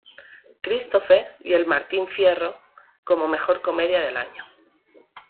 Christopher y El Martín Fierro como Mejor Comedia del Año.